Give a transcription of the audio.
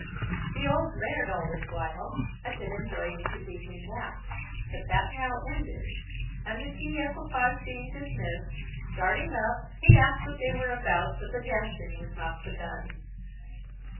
The old Laird, all this while, had been enjoying his evening nap; but, that now ended, and the tea equipage being dismissed, starting up, he asked what they were about, that the dancing was not begun.